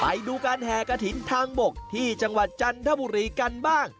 ไปดูการแห่กระถิ่นทางบกที่จังหวัดจันทบุรีกันบ้าง